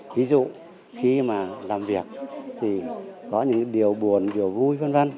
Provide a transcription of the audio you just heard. ví dụ khi mà làm việc thì có những điều buồn điều vui vân vân